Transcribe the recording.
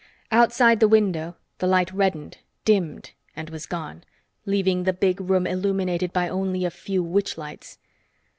Outside the window, the light reddened, dimmed, and was gone, leaving the big room illuminated by only a few witch lights.